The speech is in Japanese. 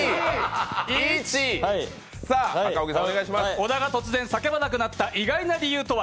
小田が突然叫ばなくなった、意外理由とは？